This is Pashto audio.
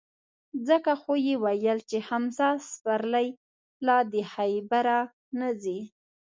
ځکه خو یې ویل چې: حمزه سپرلی لا د خیبره نه ځي.